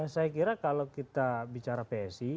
saya kira kalau kita bicara psi